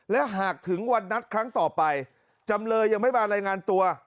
และหากถึงวันนัดครั้งต่อไปจำเลยยังไม่มารายงานตัว